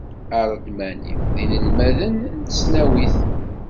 Aredmani, d inelmaden n tesnawit.